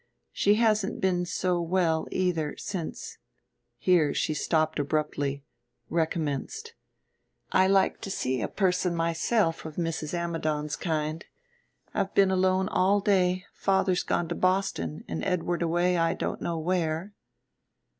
She hasn't been so well, either, since " here she stopped abruptly, recommenced. "I like to see a person myself of Mrs. Ammidon's kind. I've been alone all day; father's gone to Boston and Edward away I don't know where."